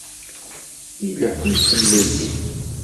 Ileḥḥu yettemlelli.